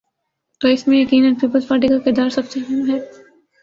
تو اس میں یقینا پیپلزپارٹی کا کردار سب سے اہم ہے۔